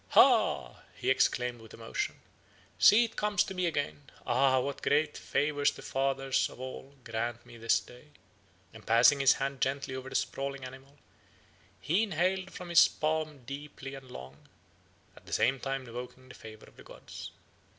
"'Ha!' he exclaimed with emotion; 'see it comes to me again; ah, what great favours the fathers of all grant me this day,' and, passing his hand gently over the sprawling animal, he inhaled from his palm deeply and long, at the same time invoking the favour of the gods.